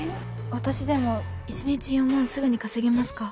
私でも一日４万すぐに稼げますか？